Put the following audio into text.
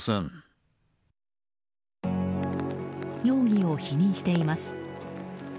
容疑を否認しています。